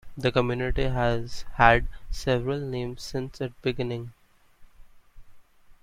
The community has had several names since its beginning.